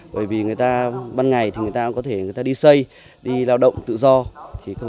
bởi vì ban ngày người ta có thể đi xây đi lao động tự do